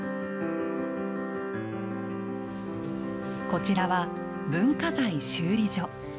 こちらは文化財修理所。